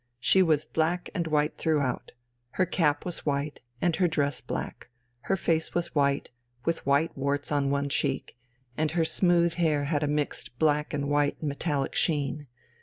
She was black and white throughout: her cap was white and her dress black, her face was white, with white warts on one cheek, and her smooth hair had a mixed black and white metallic sheen.